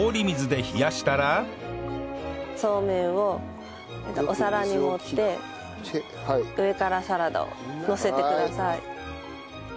そうめんをお皿に盛って上からサラダをのせてください。